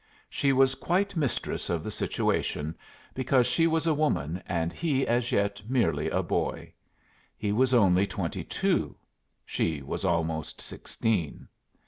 She was quite mistress of the situation, because she was a woman, and he as yet merely a boy; he was only twenty two; she was almost sixteen.